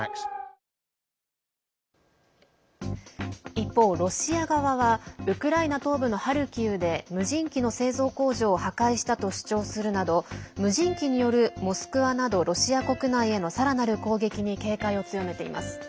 一方、ロシア側はウクライナ東部のハルキウで無人機の製造工場を破壊したと主張するなど無人機によるモスクワなどロシア国内へのさらなる攻撃に警戒を強めています。